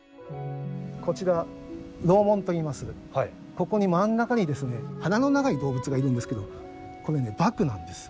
ここに真ん中に鼻の長い動物がいるんですけどこれね獏なんですよ。